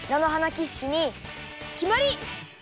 キッシュにきまり！